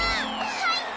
はい。